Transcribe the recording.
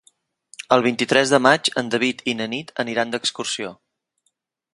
El vint-i-tres de maig en David i na Nit aniran d'excursió.